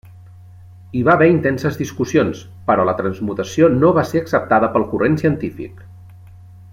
Hi va haver intenses discussions, però la transmutació no va ser acceptada pel corrent científic.